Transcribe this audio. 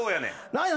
何よ？